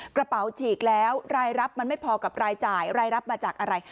กระเป๋าฉีกแล้วรายรับมันไม่พอกับรายจ่ายรายรับมาจากอะไร